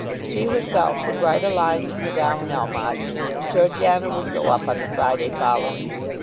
She herself would write a line to Madame Melmotte, and Georgiana would go up on the Friday following.